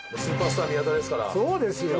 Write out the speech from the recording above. そうですよ！